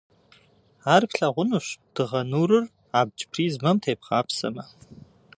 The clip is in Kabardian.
Ар плъэгъунущ дыгъэ нурыр абдж призмэм тебгъапсэмэ.